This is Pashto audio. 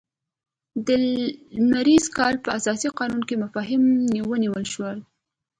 د لمریز کال په اساسي قانون کې مفاهیم ونیول شول.